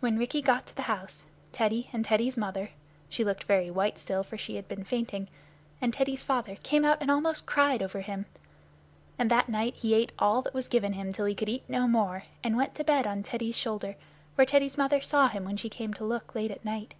When Rikki got to the house, Teddy and Teddy's mother (she looked very white still, for she had been fainting) and Teddy's father came out and almost cried over him; and that night he ate all that was given him till he could eat no more, and went to bed on Teddy's shoulder, where Teddy's mother saw him when she came to look late at night.